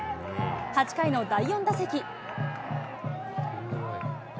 ８回の第４打席。